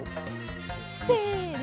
せの。